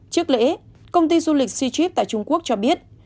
trước lễ công ty du lịch c trip tại trung quốc cho biết